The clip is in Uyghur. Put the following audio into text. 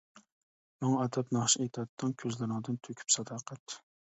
ماڭا ئاتاپ ناخشا ئېيتاتتىڭ، كۆزلىرىڭدىن تۆكۈپ ساداقەت.